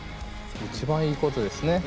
一番いいことですね。